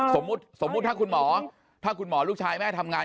สมมุติถ้าคุณหมอลูกชายแม่ทำงาน